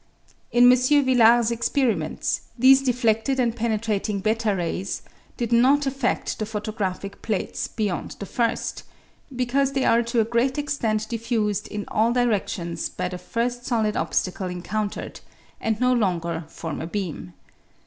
In M. Villard's experiments, these defledled and penetrating 8 rays did not affedl the photo graphic plates beyond the first, because they are to a great extent diffused in all diredtions by the first solid obstacle encountered, and no longer form a beam.